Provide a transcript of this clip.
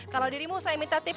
kalau dirimu saya minta tips